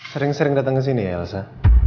sering sering datang kesini ya elsa